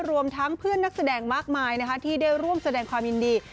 รวมทั้งเพื่อนนักแสดงมากมายที่ได้ร่วมแสดงความยินดี